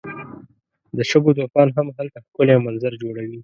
د شګو طوفان هم هلته ښکلی منظر جوړوي.